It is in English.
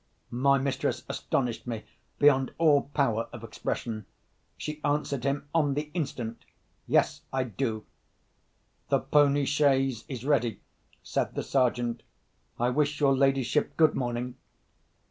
My mistress astonished me beyond all power of expression. She answered him on the instant: "Yes; I do." "The pony chaise is ready," said the Sergeant. "I wish your ladyship good morning."